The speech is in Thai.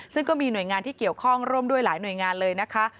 ซึ่งก็มีหน่วยงานที่เกี่ยวข้องร่วมด้วยหลายหน่วยงานเลยนะคะ